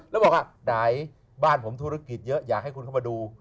ก็บอกดั๋ยบ้านผมธุรกิจเยอะแห่งให้เข้ามาดู